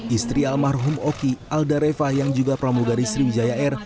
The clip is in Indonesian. istri almarhum oki alda reva yang juga pramugari sriwijaya air